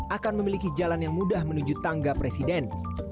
akan memiliki jalan yang mudah menuju tangga presiden